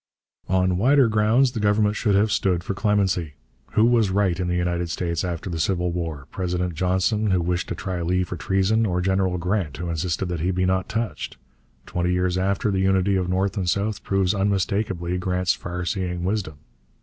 ' On wider grounds the Government should have stood for clemency. Who was right in the United States after the Civil War President Johnson, who wished to try Lee for treason, or General Grant, who insisted that he be not touched? Twenty years after, the unity of North and South proves unmistakably Grant's far seeing wisdom.